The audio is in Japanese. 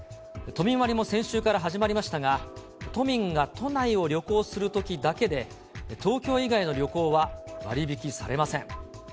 都民割も先週から始まりましたが、都民が都内を旅行するときだけで、東京以外の旅行は割引されません。